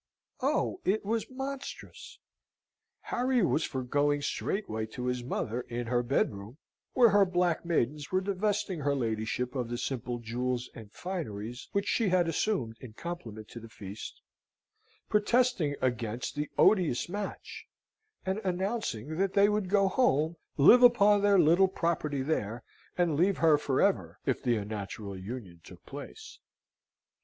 Oh, it was monstrous! Harry was for going straightway to his mother in her bedroom where her black maidens were divesting her ladyship of the simple jewels and fineries which she had assumed in compliment to the feast protesting against the odious match, and announcing that they would go home, live upon their little property there, and leave her for ever, if the unnatural union took place.